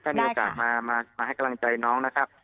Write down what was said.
ถ้ามีโอกาสมาให้กำลังใจน้องนะครับ